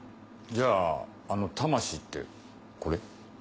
じゃああの魂ってこれ？